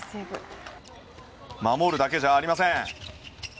守るだけじゃありません。